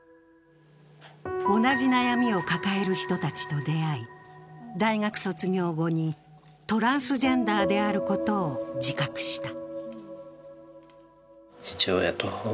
同じ悩みを抱える人たちと出会い、大学卒業後にトランスジェンダーであることを自覚した。